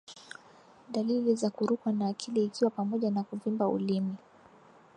Dalili za kurukwa na akili ikiwa pamoja na kuvimba ulimi